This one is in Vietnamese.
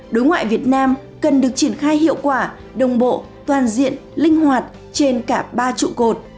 đối ngoại việt nam cần được triển khai hiệu quả đồng bộ toàn diện linh hoạt trên cả ba trụ cột